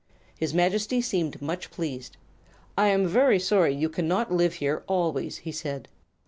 His Majesty seemed much pleased. "I am very sorry you cannot live here always," he said.